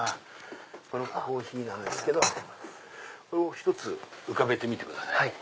１つ浮かべてみてください。